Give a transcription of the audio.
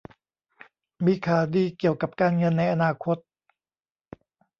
มีข่าวดีเกี่ยวกับการเงินในอนาคต